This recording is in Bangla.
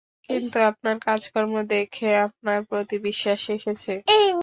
কিন্তু আপনার কাজকর্ম দেখে, আপনার প্রতি বিশ্বাস এসেছে।